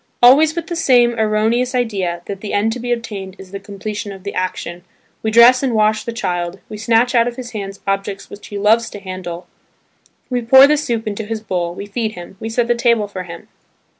Always with the same erroneous idea, that the end to be obtained is the completion of the action, we dress and wash the child, we snatch out of his hands objects which he loves to handle, we pour the soup into his bowl, we feed him, we set the table for him.